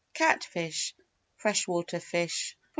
Catfish (Fresh water fish) 24.